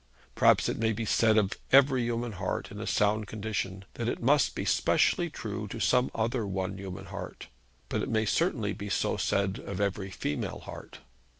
Perhaps it may be said of every human heart in a sound condition that it must be specially true to some other one human heart; but it may certainly be so said of every female heart.